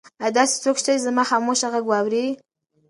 ایا داسې څوک شته چې زما خاموشه غږ واوري؟